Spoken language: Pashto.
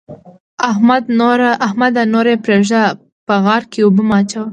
احمده! نور يې پرېږده؛ په غار کې اوبه مه وراچوه.